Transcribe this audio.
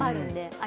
あれ